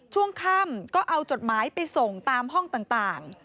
ช่วงค่ำก็เอาจดหมายไปส่งตามห้องต่าง